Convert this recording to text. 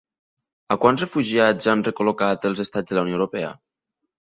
A quants refugiats han recol·locat els estats de la Unió Europea?